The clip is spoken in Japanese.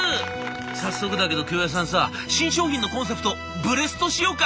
「早速だけど京谷さんさ新商品のコンセプトブレストしようか」。